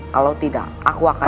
kalau tidak aku akan